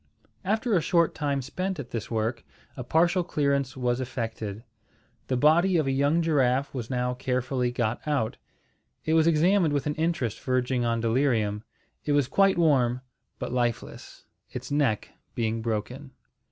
After a short time spent at this work, a partial clearance was effected. The body of a young giraffe was now carefully got out. It was examined with an interest verging on delirium. It was quite warm, but lifeless, its neck being broken.